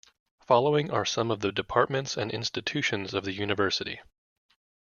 Following are some of the Departments and institutions of the university.